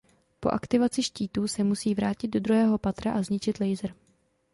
Po aktivaci štítů se musí vrátit do druhého patra a zničit laser.